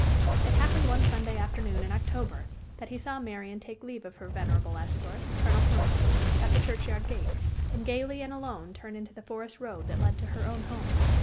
It happened one Sunday afternoon in October that he saw Marian take leave of her venerable escort, Colonel Thornton, at the churchyard gate, and gayly and alone turn into the forest road that led to her own home.